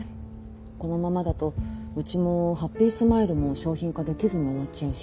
このままだとうちもハッピースマイルも商品化できずに終わっちゃうし。